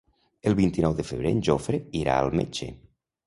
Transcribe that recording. El vint-i-nou de febrer en Jofre irà al metge.